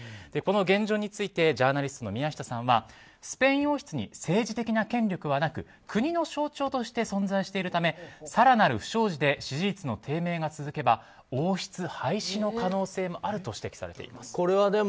この現状についてジャーナリストの宮下さんはスペイン王室に政治的な権力はなく国の象徴として存在しているため更なる不祥事で支持率の低迷が続けば王室廃止の可能性もあると指摘されています。